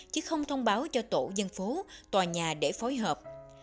chứ không thông báo cho tổ dân phố tòa nhà để phối hợp